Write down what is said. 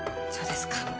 そうですか。